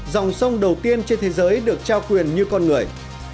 dòng sông đầu tiên trên thế giới được trao quyền như con người